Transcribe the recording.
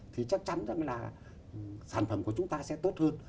thì chắc chắn rằng là sản phẩm của chúng ta sẽ tốt hơn